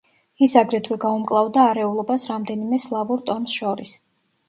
ის აგრეთვე გაუმკლავდა არეულობას რამდენიმე სლავურ ტომს შორის.